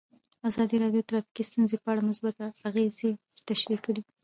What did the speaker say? ازادي راډیو د ټرافیکي ستونزې په اړه مثبت اغېزې تشریح کړي.